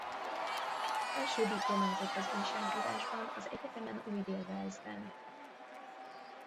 Első diplomázott az újságírásban az egyetemem Új-Dél-Walesben.